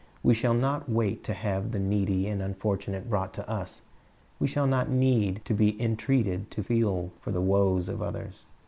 W'c shall not wait to have the needy and unfortunate brought to us. We shall not need to be entreated to feel for the woes of others.